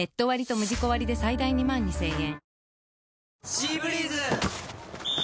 「シーブリーズ」！